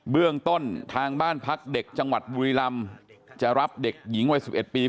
เรื่องต้นทางบ้านพักเด็กจังหวัดบุรีรำจะรับเด็กหญิงวัย๑๑ปี